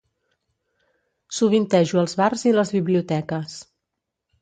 Sovintejo els bars i les biblioteques.